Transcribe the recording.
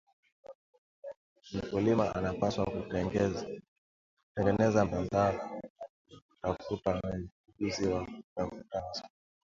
mkulima anapaswa kutengeneza mtandao na kuwatafuta wenye ujuzi wa kutafuta masoko